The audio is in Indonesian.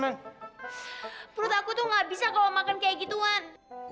menurut aku tuh gak bisa kalau makan kayak gituan